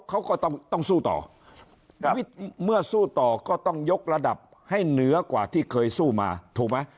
เขาก็ต้องต้องสู้ต่อเมื่อสู้ต่อก็ต้องยกระดับให้เหนือกว่าที่เคยสู้มาถูกไหม